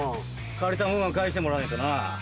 借りたものは返してもらわないとな。